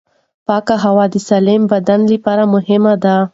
پاکه هوا د سالم بدن لپاره مهمه ده.